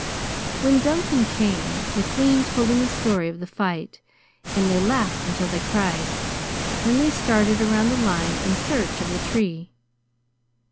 When Duncan came, McLean told him the story of the fight, and they laughed until they cried. Then they started around the line in search of the tree.